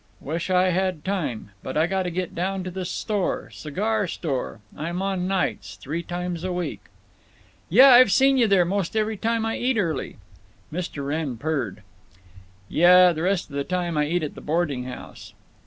"Wish I had time. But I gotta get down to the store—cigar store. I'm on nights, three times a week." "Yuh. I've seen you here most every time I eat early," Mr. Wrenn purred. "Yuh. The rest of the time I eat at the boarding house."